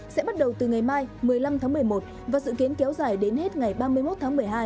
sẽ bắt đầu từ ngày mai một mươi năm tháng một mươi một và dự kiến kéo dài đến hết ngày ba mươi một tháng một mươi hai